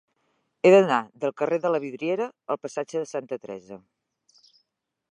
He d'anar del carrer de la Vidrieria al passatge de Santa Teresa.